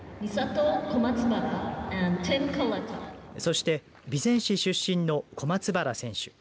そして備前市出身の小松原選手。